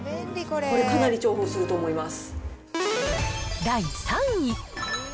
これかなり重宝すると思います。